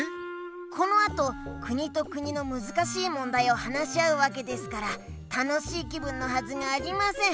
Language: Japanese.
このあと国と国のむずかしいもんだいを話し合うわけですから楽しい気分のはずがありません。